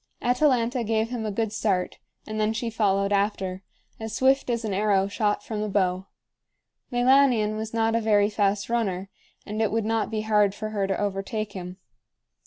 Atalanta gave him a good start, and then she followed after, as swift as an arrow shot from the bow. Meilanion was not a very fast runner, and it would not be hard for her to overtake him.